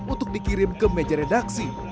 untuk dikirim ke meja redaksi